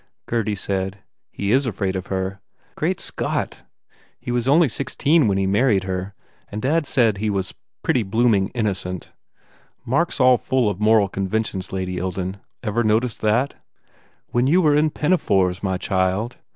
Gurdy said, "He is afraid of her. Great Scott, he was only sixteen when he married her and dad says he was pretty blooming innocent. Mark s all full of moral conventions, Lady Ilden. Ever noticed that?" "When you were in pinafores, my child!